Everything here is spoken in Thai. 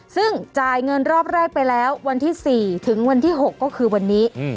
ซึ่งจ่ายเงินรอบแรกไปแล้ววันที่๔ถึงวันที่๖ก็คือวันนี้